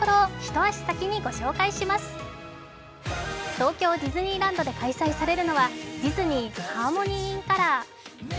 東京ディズニーランドで開催されるのはディズニー・ハーモニー・イン・カラー。